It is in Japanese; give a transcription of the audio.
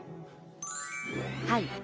はい。